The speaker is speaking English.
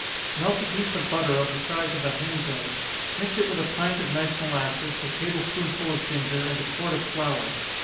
_ Melt a piece of butter of the size of a hen's egg mix it with a pint of nice molasses, a table spoonful of ginger, and a quart of flour.